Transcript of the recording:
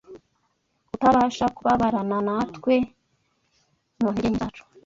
utabasha kubabarana natwe mu ntege nke zacu